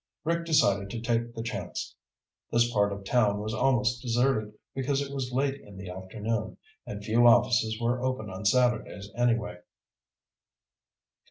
Rick decided to take the chance. This part of town was almost deserted, because it was late in the afternoon, and few offices were open on Saturdays, anyway.